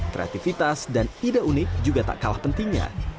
kreativitas dan ide unik juga tak kalah pentingnya